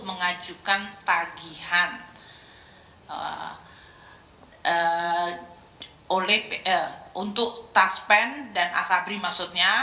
mengajukan tagihan untuk taspen dan asabri maksudnya